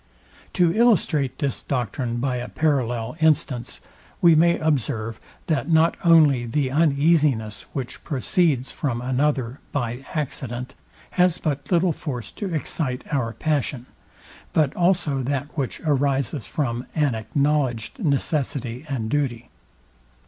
To illustrate this doctrine by a parallel instance, we may observe, that not only the uneasiness, which proceeds from another by accident, has but little force to excite our passion, but also that which arises from an acknowledged necessity and duty.